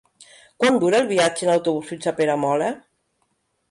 Quant dura el viatge en autobús fins a Peramola?